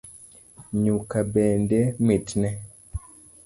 Nyuka bende mitne